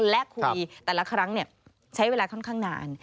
และคุยแต่ละครั้งใช้เวลาค่อนข้างนาน